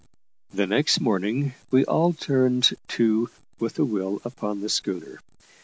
The next morning, we all turned to with a will upon the schooner.